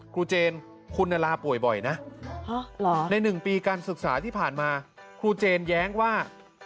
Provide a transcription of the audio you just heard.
เจนคุณลาป่วยบ่อยนะใน๑ปีการศึกษาที่ผ่านมาครูเจนแย้งว่า